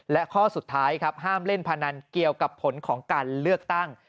และข้อสุดท้ายครับห้ามเล่นพนันเกี่ยวกับผลของการเลือกตั้ง